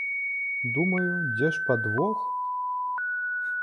Думаю, дзе ж падвох?